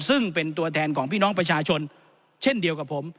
ซึ่งเป็นตัวแทนของพี่น้องประชาชนเช่นเดียวกับผม